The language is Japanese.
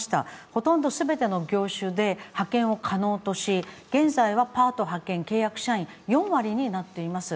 ほとんど全ての業種で派遣を可能とし、現在はパート、派遣、契約社員４割になっています。